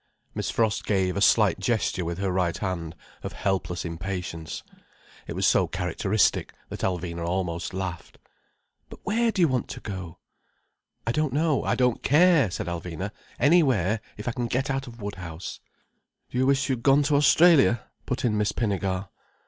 Miss Frost gave a slight gesture with her right hand, of helpless impatience. It was so characteristic, that Alvina almost laughed. "But where do you want to go?" asked Miss Frost. "I don't know. I don't care," said Alvina. "Anywhere, if I can get out of Woodhouse." "Do you wish you had gone to Australia?" put in Miss Pinnegar.